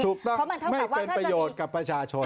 ถูกต้องไม่เป็นประโยชน์กับประชาชน